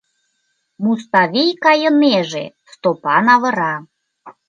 Муставий кайынеже, Стопан авыра.